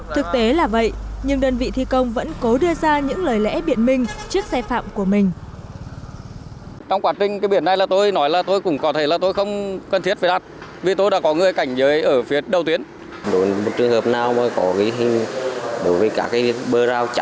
thực tế là vậy nhưng đơn vị thi công vẫn cố đưa ra những lời lẽ biện minh trước xe phạm của mình